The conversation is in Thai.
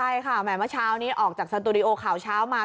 ใช่ค่ะแหมเมื่อเช้านี้ออกจากสตูดิโอข่าวเช้ามา